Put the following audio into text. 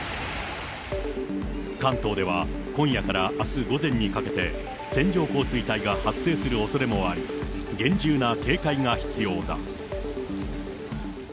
関東では今夜からあす午前にかけて、線状降水帯が発生するおそれもあり、厳重な警戒が必要だ。